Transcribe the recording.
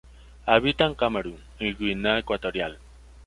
Habita en Camerún y Guinea Ecuatorial.